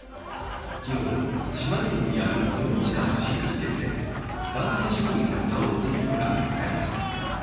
昨日、島根県にあるニホンジカの飼育施設で、男性職員が倒れているのが見つかりました。